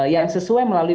yang sesuai melalui